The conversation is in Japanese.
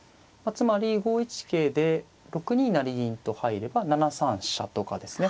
つまり５一桂で６二成銀と入れば７三飛車とかですね